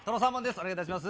お願いいたします。